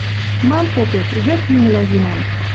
Мам попет — вӹд йӱмӹлӓ йӱнӓм.